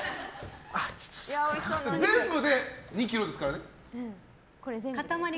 全部で２ｋｇですからね。